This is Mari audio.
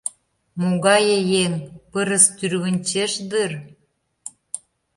Могае еҥ, пырыс тӱрвынчеш дыр...